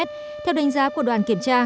theo đánh giá của đoàn kiểm tra